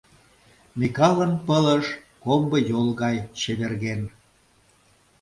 Микалын пылыш комбо йол гай чеверген.